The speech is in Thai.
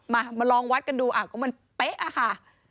มามาลองวัดกันดูก็มันเป๊ะอะค่ะ